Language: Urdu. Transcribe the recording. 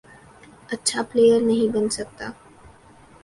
اچھا پلئیر نہیں بن سکتا،